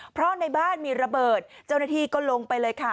เพราะในบ้านมีระเบิดเจ้าหน้าที่ก็ลงไปเลยค่ะ